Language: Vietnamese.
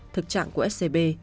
thực trạng của scb